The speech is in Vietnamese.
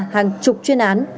hàng chục chuyên án